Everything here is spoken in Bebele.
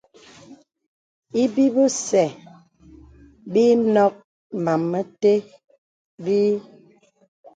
Ibi bəsə̀ bə ǐ nɔk màm mətè bə̀.